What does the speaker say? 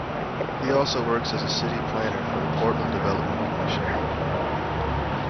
He also works as a city planner for the Portland Development Commission.